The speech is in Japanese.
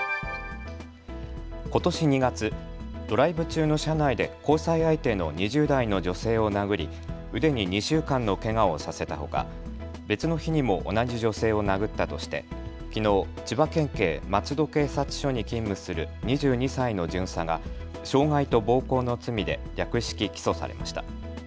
ことし２月、ドライブ中の車内で交際相手の２０代の女性を殴り腕に２週間のけがをさせたほか、別の日にも同じ女性を殴ったとしてきのう千葉県警松戸警察署に勤務する２２歳の巡査が傷害と暴行の罪で略式起訴されました。